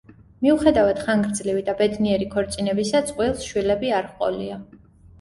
მიუხედავად ხანგრძლივი და ბედნიერი ქორწინებისა, წყვილს შვილები არ ჰყოლია.